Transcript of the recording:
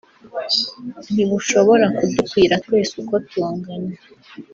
ntibushobora kudukwira twese uko tungana